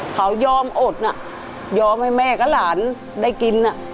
เขายอมอดน่ะยอมให้แม่กับหลานได้กิน